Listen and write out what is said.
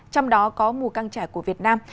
trong đó có mù căng trải của việt nam